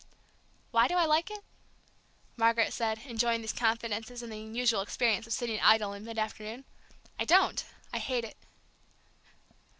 "Why do I like it?" Margaret said, enjoying these confidences and the unusual experience of sitting idle in mid afternoon. "I don't, I hate it."